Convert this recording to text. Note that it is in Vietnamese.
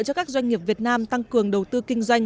cho các doanh nghiệp việt nam tăng cường đầu tư kinh doanh